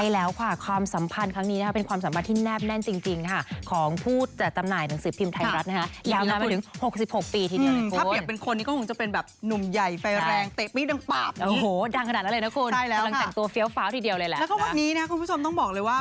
แล้วก็วันนี้นะคุณผู้ชมต้องบอกเลยว่า